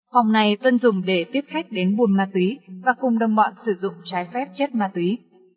phòng này tân dùng để tiếp khách đến buôn ma túy và cùng đồng bọn sử dụng trái phép chất ma túy